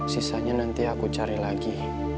sisanya nanti aku cari lagi